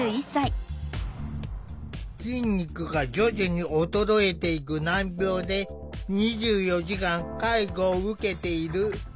筋肉が徐々に衰えていく難病で２４時間介護を受けている。